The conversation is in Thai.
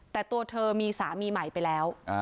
แต่ตัวเธอมีสามีใหม่ไปแล้ว